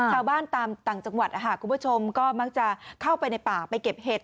ตามต่างจังหวัดคุณผู้ชมก็มักจะเข้าไปในป่าไปเก็บเห็ด